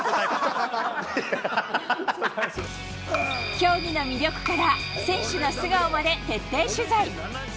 競技の魅力から選手の素顔まで徹底取材。